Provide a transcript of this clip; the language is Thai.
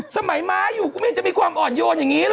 สมัยม้าอยู่กูไม่เห็นจะมีความอ่อนโยนอย่างนี้หรอ